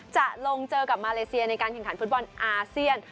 จะลงเจอกับมาเลเซียในการแข่งขันฟุตบอลอาเซียน